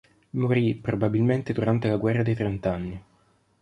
Morì probabilmente durante la guerra dei trent'anni.